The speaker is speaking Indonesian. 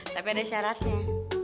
tapi ada syaratnya